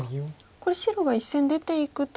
これ白が１線出ていくと。